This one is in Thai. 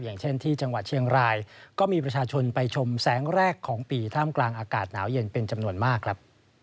อย่างเช่นที่จังหวัดเชียงรายก็มีประชาชนไปชมแสงแรกของปีท่ามกลางอากาศหนาวเย็นเป็นจำนวนมากครับ